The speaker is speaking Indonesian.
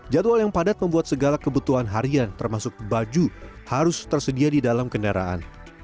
jadwal yang padat membuat segala kebutuhan kita berada di dalam keadaan